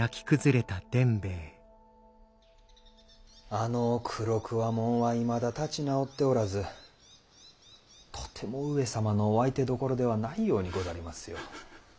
あの黒鍬もんはいまだ立ち直っておらずとても上様のお相手どころではないようにござりますよ。